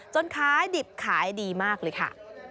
ขายดิบขายดีมากเลยค่ะ